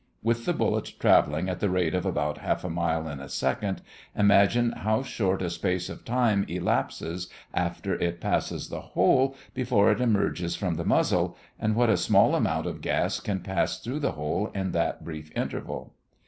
With the bullet traveling at the rate of about half a mile in a second, imagine how short a space of time elapses after it passes the hole before it emerges from the muzzle, and what a small amount of gas can pass through the hole in that brief interval!